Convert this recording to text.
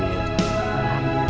terima kasih ya pak